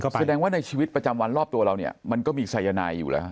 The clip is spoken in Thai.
อย่างนั้นหมายถึงว่าในชีวิตประจำวันรอบตัวเหล่าเนี่ยมันก็มีสายนายอยู่โหลฮะ